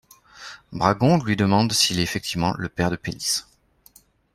Bragon lui demande s'il est effectivement le père de Pélisse.